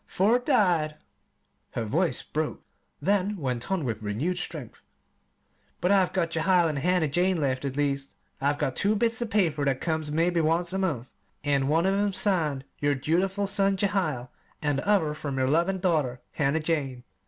Four died," her voice broke, then went on with renewed strength, "but I've got Jehiel and Hannah Jane left; at least, I've got two bits of paper that comes mebbe once a month, an' one of 'em's signed 'your dutiful son, Jehiel,' an' the other, 'from your loving daughter, Hannah Jane.'"